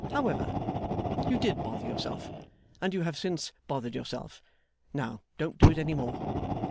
However, you did bother yourself, and you have since bothered yourself. Now, don't do it any more.